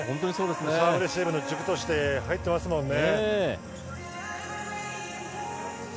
サーブレシーブの軸として入っていますね。